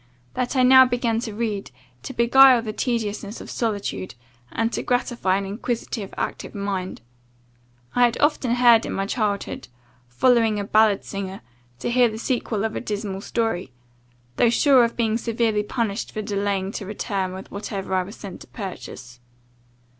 that I now began to read, to beguile the tediousness of solitude, and to gratify an inquisitive, active mind. I had often, in my childhood, followed a ballad singer, to hear the sequel of a dismal story, though sure of being severely punished for delaying to return with whatever I was sent to purchase.